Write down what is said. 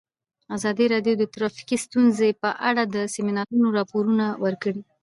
ازادي راډیو د ټرافیکي ستونزې په اړه د سیمینارونو راپورونه ورکړي.